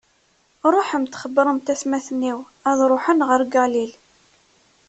Ṛuḥemt, xebbṛemt atmaten-iw ad ṛuḥen ɣer Galil.